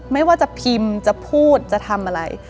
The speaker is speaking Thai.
ไม่ว่าจะพิมพ์จะพูดจะทำอะไร